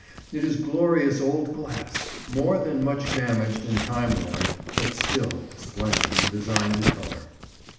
It is glorious old glass, more than much damaged and time worn, but still splendid in design and colour.